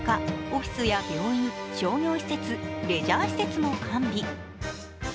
オフィスや病院、商業施設、レジャー施設も完備。